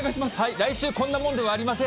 来週こんなもんではありません。